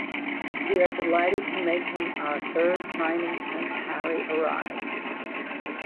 We are delighted to make him our third signing since Harry arrived.